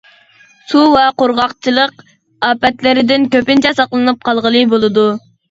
سۇ ۋە قۇرغاقچىلىق ئاپەتلىرىدىن كۆپىنچە ساقلىنىپ قالغىلى بولىدۇ.